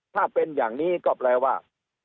ถ้าเป็นอย่างนี้ก็แปลว่า